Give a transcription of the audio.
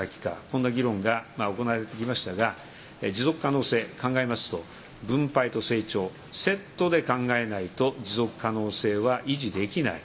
こんな議論が行われて来ましたが持続可能性考えますと分配と成長セットで考えないと持続可能性は維持できない。